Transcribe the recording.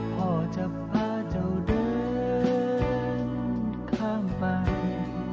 พ่อจะพาเจ้าเดินข้ามไป